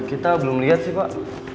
kita belum lihat sih pak